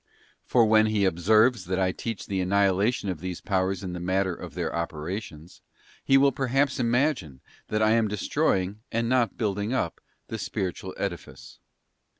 For when he observes, that I teach the annihilation of these powers in the matter of their operations; he will perhaps imagine, that I am destroying, and not building up, the spiritual edifice.